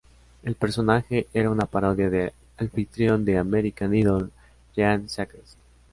El personaje era una parodia del anfitrión de "American Idol", Ryan Seacrest.